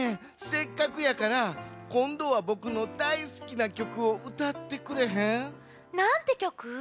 せっかくやからこんどはボクのだいすきなきょくをうたってくれへん？なんてきょく？